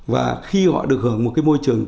và khi họ được hưởng một cái môi trường